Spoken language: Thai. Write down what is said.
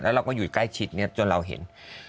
แล้วเราก็อยู่ใกล้ชิดเนี่ยจนเราเห็น